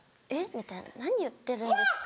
みたいな何言ってるんですか？